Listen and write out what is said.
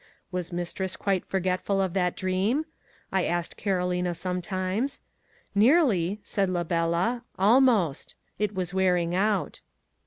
Was mistress quite forgetful of that dream? I asked Carolina sometimes. Nearly, said la bella—almost. It was wearing out.